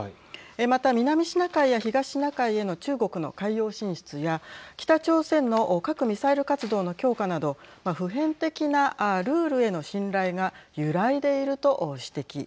また、南シナ海や東シナ海への中国の海洋進出や北朝鮮の核ミサイル活動の強化など普遍的なルールへの信頼が揺らいでいると指摘。